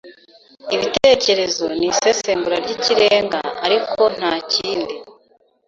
ibitekerezo nisesengura ryikirenga ariko ntakindi